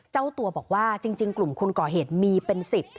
เจ้าตัวบอกว่าจริงกลุ่มคนก่อเหตุมีเป็นสิทธิ์